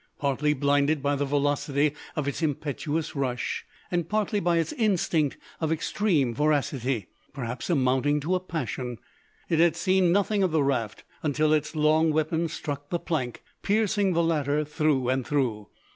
Partly blinded by the velocity of its impetuous rush, and partly by its instinct of extreme voracity, perhaps amounting to a passion, it had seen nothing of the raft until its long weapon struck the plank, piercing the latter through and through.